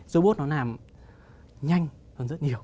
robot nó làm nhanh hơn rất nhiều